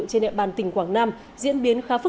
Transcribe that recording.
trên địa bàn tỉnh quảng nam